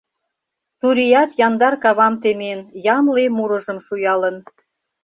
Турият яндар кавам темен, Ямле мурыжым шуялын.